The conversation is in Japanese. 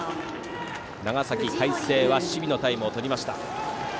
長崎・海星は守備のタイムをとりました。